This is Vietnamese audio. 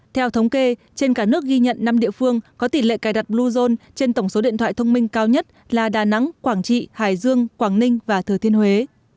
theo thống kê trên cả nước ghi nhận năm địa phương có tỷ lệ cài đặt bluezone trên tổng số điện thoại thông minh cao nhất là đà nẵng quảng trị hải dương quảng ninh và thừa thiên huế